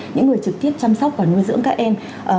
những người trực tiếp chăm sóc và nuôi dưỡng các em